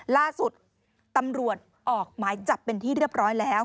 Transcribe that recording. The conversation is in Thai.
ล่าสุดตำรวจออกหมายจับเป็นที่เรียบร้อยแล้ว